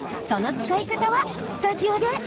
その使い方はスタジオで。